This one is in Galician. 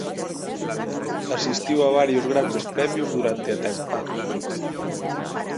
Asistiu a varios Grandes Premios durante a tempada.